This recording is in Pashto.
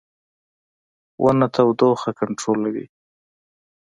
• ونه تودوخه کنټرولوي.